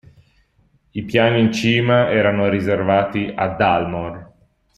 I piani in cima erano riservati a Dalmor.